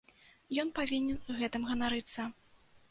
Ён павінен гэтым ганарыцца.